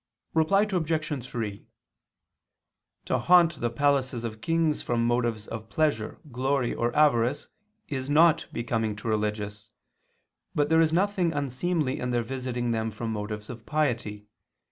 Reply Obj. 3: To haunt the palaces of kings from motives of pleasure, glory, or avarice is not becoming to religious, but there is nothing unseemly in their visiting them from motives of piety.